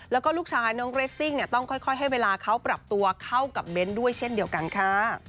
แล้วก็ลูกชายน้องเรสซิ่งต้องค่อยให้เวลาเขาปรับตัวเข้ากับเบ้นด้วยเช่นเดียวกันค่ะ